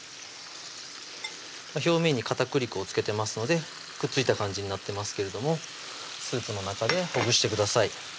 表面に片栗粉を付けてますのでくっついた感じになってますけどスープの中でほぐしてください